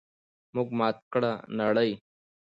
موږ ماته کړه نړۍ!